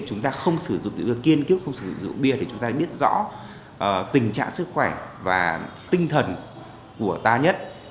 chúng ta không sử dụng rượu bia thì chúng ta biết rõ tình trạng sức khỏe và tinh thần của ta nhất